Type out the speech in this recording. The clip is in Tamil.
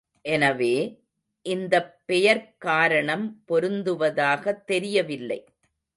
எனவே, இந்தப் பெயர்க் காரணம் பொருந்துவதாகத் தெரியவில்லை.